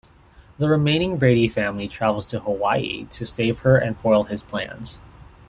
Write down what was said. The remaining Brady family travels to Hawaii to save her and foil his plans.